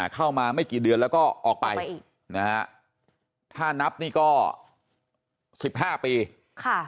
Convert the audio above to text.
เข้ามาไม่กี่เดือนแล้วก็ออกไปออกไปอีกนะฮะถ้านับนี่ก็๑๕ปีค่ะ